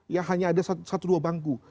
ya hanya ada satu dua bangku